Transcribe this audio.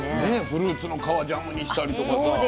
フルーツの皮ジャムにしたりとかさ